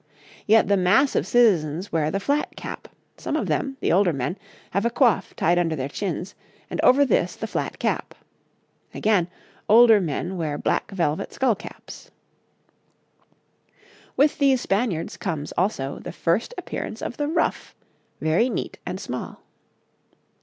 Yet the mass of citizens wear the flat cap, some of them, the older men, have a coif tied under their chins, and over this the flat cap. Again, older men wear black velvet skull caps. [Illustration: {A man of the time of Mary}] With these Spaniards comes, also, the first appearance of the ruff, very neat and small.